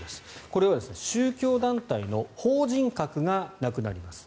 これは、宗教団体の法人格がなくなります。